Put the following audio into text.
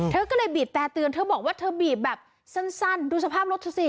เธอก็เลยบีบแต่เตือนเธอบอกว่าเธอบีบแบบสั้นดูสภาพรถเธอสิ